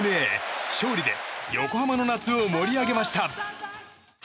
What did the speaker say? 勝利で横浜の夏を盛り上げました。